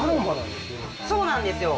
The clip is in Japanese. そうなんですよ。